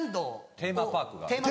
テーマパーク。